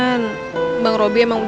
bang robby emang udah gak mau cari masalah